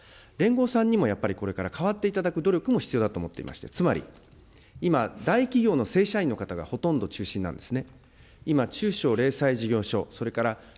ただし、野党も変わらなきゃいけないんですが、連合さんにも、やっぱりこれから変わっていただく努力も必要だと思っていまして、つまり、今、大企業の正社員の方がほとんど中心なんですね。